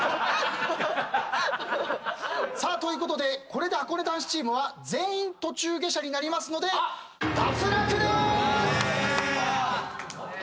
さあということでこれではこね男子チームは全員途中下車になりますので脱落です！